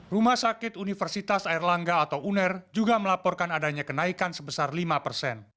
rumah sakit universitas airlangga atau uner juga melaporkan adanya kenaikan sebesar lima persen